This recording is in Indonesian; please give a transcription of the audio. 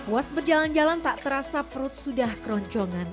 was berjalan jalan tak terasa perut sudah keroncongan